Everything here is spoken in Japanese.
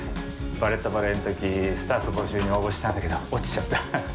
「バレット・バレエ」の時スタッフ募集に応募したんだけど落ちちゃった。